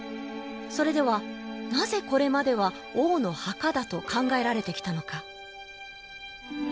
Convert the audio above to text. それではなぜこれまでは王の墓だと考えられてきたのか？